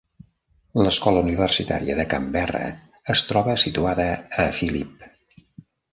L'Escola Universitària de Canberra es troba situada a Phillip.